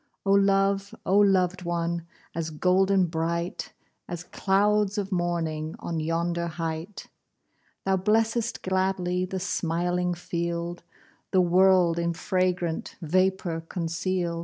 Oh love! oh loved one! As golden bright, As clouds of morning On yonder height! Thou blessest gladly The smiling field, The world in fragrant Vapour conceal'd.